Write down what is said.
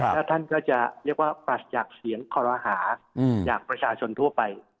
ถ้าท่านก็จะปลัดจากเสียงคอละหาจากประชาชนทั่วไป